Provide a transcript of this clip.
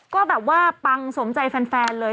ก็แบบว่าปังสมใจแฟนเลย